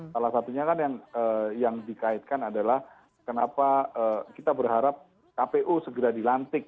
salah satunya kan yang dikaitkan adalah kenapa kita berharap kpu segera dilantik